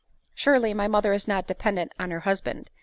" Surely my mother is not dependent on her husband